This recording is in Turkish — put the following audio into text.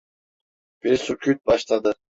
Bir sükût başladı.